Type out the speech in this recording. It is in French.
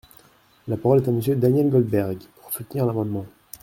La parole est à Monsieur Daniel Goldberg, pour soutenir l’amendement.